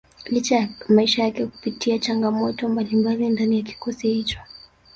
licha ya maisha yake kupitia changamoto mbalimbali ndani ya kikosi hicho